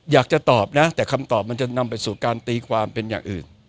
อยากจะตอบนะแต่คำตอบมันจะนำไปสู่การตีความเป็นอย่างอื่น